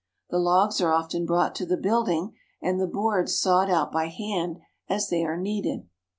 The logs are often brought to the building, and the boards sawed out by hand as they are needed.